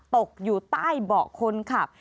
ตกอยู่ใต้เบาะคนขับ